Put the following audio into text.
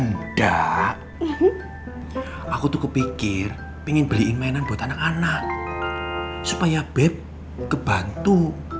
saya pikir ingin beliin mainan buat anak anak supaya beb kebantu